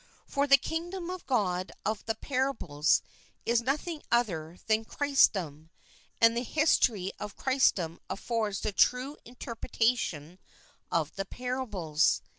For the Kingdom of God of the parables is nothing other than Christendom, and the history of Christendom affords the true interpretation of the parables.